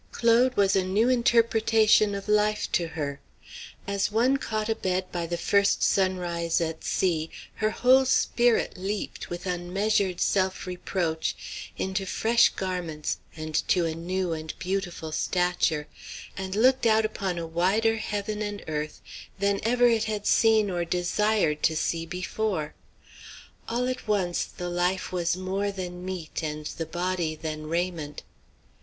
Claude was a new interpretation of life to her; as one caught abed by the first sunrise at sea, her whole spirit leaped, with unmeasured self reproach, into fresh garments and to a new and beautiful stature, and looked out upon a wider heaven and earth than ever it had seen or desired to see before. All at once the life was more than meat and the body than raiment.